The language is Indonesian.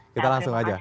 kita langsung aja